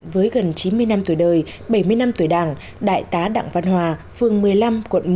với gần chín mươi năm tuổi đời bảy mươi năm tuổi đảng đại tá đặng văn hòa phường một mươi năm quận một